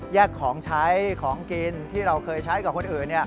ของใช้ของกินที่เราเคยใช้กับคนอื่น